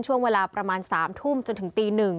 ช่วงเวลาประมาณ๓ทุ่มจนถึงตี๑